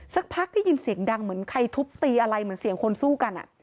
สักพักได้ยินเสียงดังเหมือนใครทุบตีอะไรเหมือนเสียงคนสู้กัน